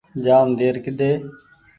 جآم دير ڪۮي